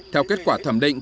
theo kết quả thẩm định